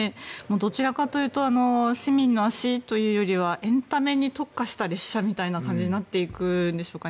どちらかというと市民の足というよりはエンタメに特化した列車みたいな感じになっていくんでしょうか。